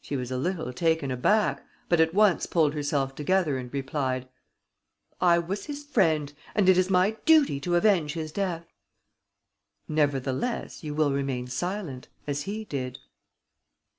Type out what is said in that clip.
She was a little taken aback, but at once pulled herself together and replied: "I was his friend and it is my duty to avenge his death." "Nevertheless, you will remain silent, as he did."